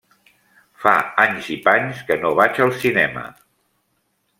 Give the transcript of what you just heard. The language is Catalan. Fa anys i panys que no vaig al cinema.